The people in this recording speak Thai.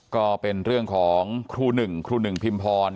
ก็เป็นเรื่องของครูหนึ่งครูหนึ่งพิมพร